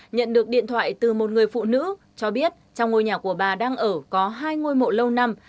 nhận được điện thoại từ một người phụ nữ cho biết trong ngôi nhà của bà đang ở có hai ngôi mộ lâu năm